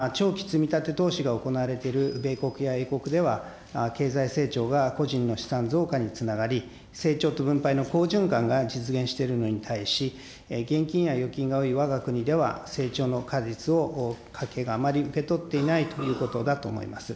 このような長期積み立て投資が行われている米国や英国では、経済成長が個人の資産増加につながり、成長と分配の好循環が実現しているのに対し、現金や預金が多いわが国では、成長の果実を家計があまり受け取っていないということだと思います。